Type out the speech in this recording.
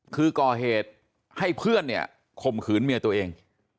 คือก่อเหตุให้เพื่อนเนี่ยข่มขืนเมียตัวเอง